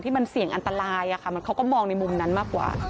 มันเสี่ยงอันตรายเขาก็มองในมุมนั้นมากกว่า